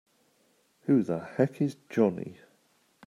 Who the heck is Johnny?!